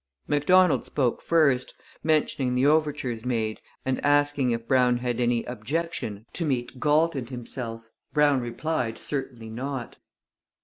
Macdonald spoke first, mentioning the overtures made and asking if Brown had any 'objection' to meet Galt and himself. Brown replied, 'Certainly not.'